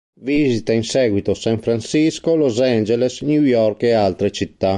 Visita in seguito San Francisco, Los Angeles, New York e altre città.